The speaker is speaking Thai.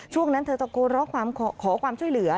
นั้นเธอตะโกนร้องขอความช่วยเหลือ